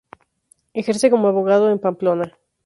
Ejerce como abogado en Pamplona.